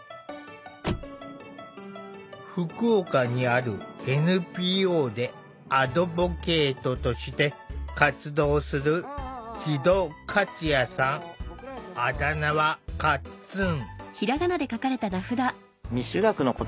福岡にあるＮＰＯでアドボケイトとして活動するあだ名はかっつん。